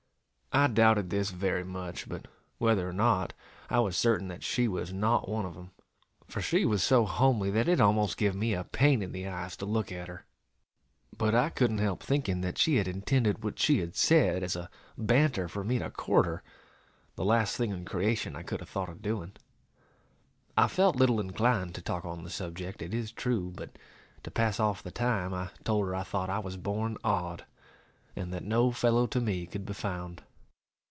I doubted this very much; but whether or not, I was certain that she was not one of them, for she was so homely that it almost give me a pain in the eyes to look at her. But I couldn't help thinking, that she had intended what she had said as a banter for me to court her!!! the last thing in creation I could have thought of doing. I felt little inclined to talk on the subject, it is true; but, to pass off the time, I told her I thought I was born odd, and that no fellow to me could be found.